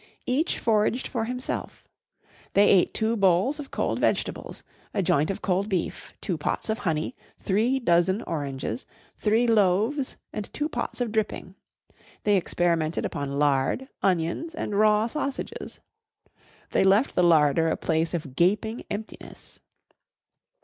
Each foraged for himself. They ate two bowls of cold vegetables, a joint of cold beef, two pots of honey, three dozen oranges, three loaves and two pots of dripping. They experimented upon lard, onions, and raw sausages. They left the larder a place of gaping emptiness.